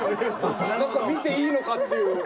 見ていいのかっていう。